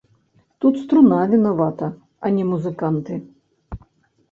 Тут струна вінавата, а не музыканты.